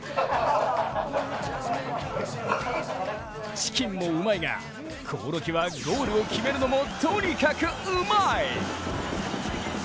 チキンもうまいが、興梠はゴールを決めるのもとにかくうまい！